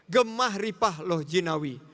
gemah ripah loh jinawi